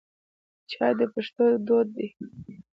چای د پښتنو دود دی.